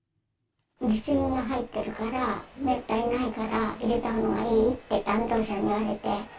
実印が入ってるから、めったにないから、入れたほうがいいって、担当者に言われて。